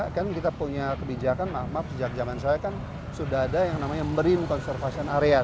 kan kita punya kebijakan maaf maaf sejak zaman saya kan sudah ada yang namanya marine conservation area